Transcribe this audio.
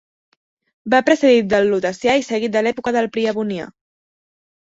Va precedit del lutecià i seguit de l'època del priabonià.